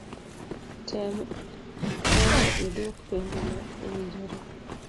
Tem momdo iduok penjo ma owinjore.